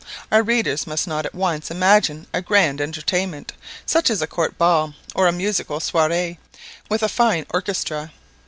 Our readers must not at once imagine a grand entertainment, such as a court ball, or a musical soirée with a fine orchestra.